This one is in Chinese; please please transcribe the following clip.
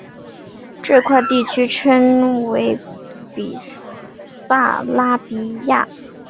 这块地区称为比萨拉比亚。